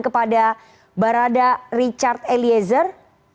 kepada barada richard eliezer